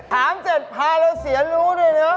เสร็จพาเราเสียรู้ด้วยนะ